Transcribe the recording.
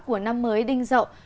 của năm mới đinh dậu